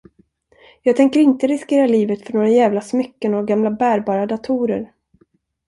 Jag tänker inte riskera livet för några jävla smycken och gamla bärbara datorer.